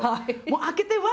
開けてうわ！